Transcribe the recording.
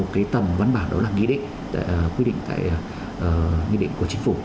cái tầm vấn bảo đó là quy định của chính phủ